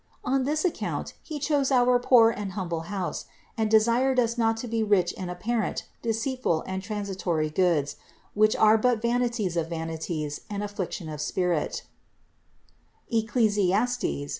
On this account He chose our poor and humble house, and desired us not .to be rich in apparent, deceitful and transitory goods, which are but vanity of vanities and affliction of spirit (Eccles.